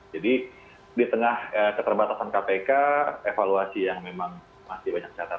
jadi di tengah keterbatasan kpk evaluasi yang memang masih banyak catatan